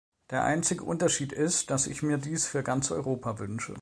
Der einzige Unterschied ist, dass ich mir dies für ganz Europa wünsche.